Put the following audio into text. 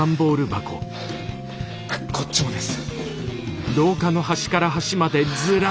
こっちもです。